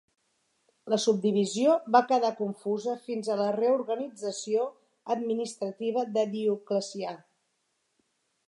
La subdivisió va quedar confusa fins a la reorganització administrativa de Dioclecià.